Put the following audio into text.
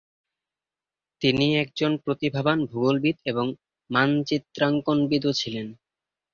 তিনি একজন প্রতিভাবান ভূগোলবিদ এবং মানচিত্রাঙ্কনবিদও ছিলেন।